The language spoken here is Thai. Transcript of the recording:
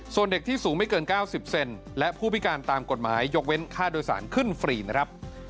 ส่วนเด็กที่สูงไม่เกิน๙๐เซนและผู้พิการตามกฎหมายยกเว้นค่าโดยสารขึ้นฟรีนะครับ